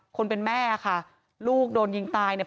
คนเป็นแม่ค่ะลูกโดนยิงตายเนี่ย